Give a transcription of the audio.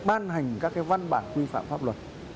ban hành các cái văn bản quy phạm pháp luật